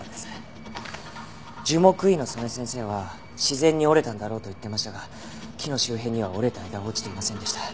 樹木医の曽根先生は自然に折れたんだろうと言ってましたが木の周辺には折れた枝は落ちていませんでした。